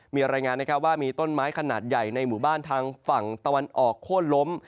มีรายงานนะครับว่ามีต้นไม้ขนาดใหญ่ในหมู่บ้านทางฝั่งตะวันออกโค้นล้ม